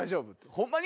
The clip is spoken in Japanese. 「ホンマに？